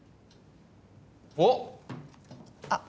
おっ！あっ。